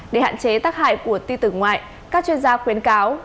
để hạn chế tác hại của ti tử ngoại các chuyên gia khuyến cáo